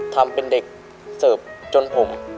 ทำเป็นเด็กเสิร์ฟจนผม